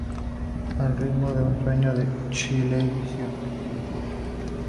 Al ritmo de un sueño" de Chilevisión.